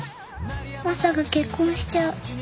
マサが結婚しちゃう。